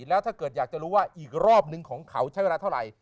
แล้วถ้าเกิดอยากจะรู้ว่าอีกรอบนึงของเขาใช้เวลาเท่าไหร่